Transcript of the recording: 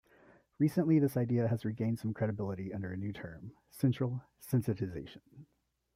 Recently this idea has regained some credibility under a new term, central sensitization.